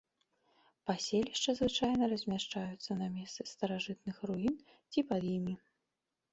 Паселішча звычайна размяшчаюцца на месцы старажытных руін ці пад імі.